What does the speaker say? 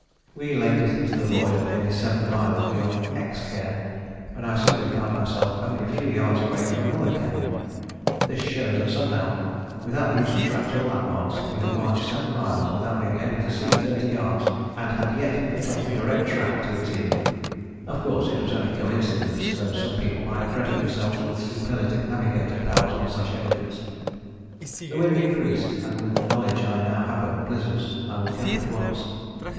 We legged it into the void for nearly seven miles beyond X Cairn when I suddenly found myself only a few yards away from another cairn. This shows that somehow, without the use of tracks or landmarks, we had marched seven miles without being able to see thirty yards, and had yet hit off the direct track to a T; of course, it was only coincidence, though some people might credit themselves with superlative navigating powers on such evidence. The wind increased, and with the knowledge I now have of blizzards I would camp at once.